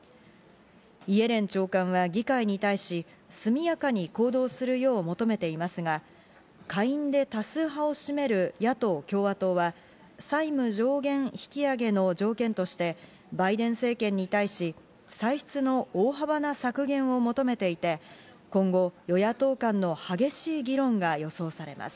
イエレン長官は議会に対し、速やかに行動するよう求めていますが、下院で多数派を占める野党・共和党は、債務上限引き上げの条件としてバイデン政権に対し、歳出の大幅な削減を求めていて、今後、与野党間の激しい議論が予想されます。